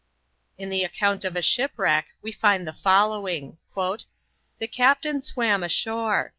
In the account of a shipwreck we find the following: "The captain swam ashore.